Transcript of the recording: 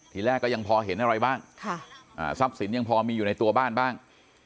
ทีแรกก็ยังพอเห็นอะไรบ้างทรัพย์สินยังพอมีอยู่ในตัวบ้านบ้าง